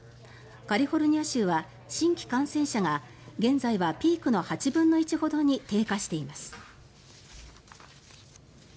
カリフォルニア州は新規感染者が現在はピークの８分の１ほどに低下しています。